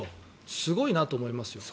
すごいなと思いますよ。